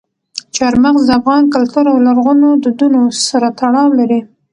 چار مغز د افغان کلتور او لرغونو دودونو سره تړاو لري.